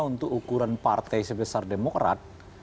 untuk ukuran partai sebesar demokrat